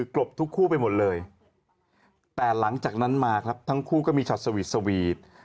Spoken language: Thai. กรบทุกคู่ไปหมดเลยแต่หลังจากนั้นมาครับทั้งคู่ก็มีช็อตสวีทสวีท